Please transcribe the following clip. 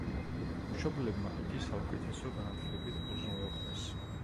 მშობლებმა იგი საუკეთესო განათლებით უზრუნველყვეს.